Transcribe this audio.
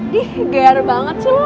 dih gayar banget sih lo